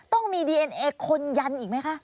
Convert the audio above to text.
ต้องมีดีเอ็นเอคนยันอีกไหมคะ